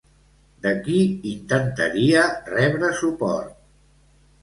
De qui intentaria rebre suport?